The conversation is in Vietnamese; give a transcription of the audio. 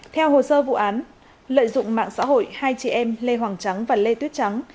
theo hồ sơ vụ án lợi dụng mạng xã hội hai chị em lê hoàng trắng và lê tuyết trắng